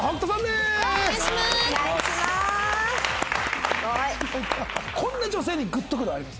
すごい！こんな女性にグッとくるあります？